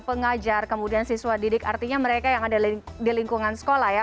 pengajar kemudian siswa didik artinya mereka yang ada di lingkungan sekolah ya